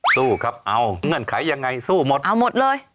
สู้ครับเอาเงื่อนไขยังไงสู้หมดเอาหมดเลย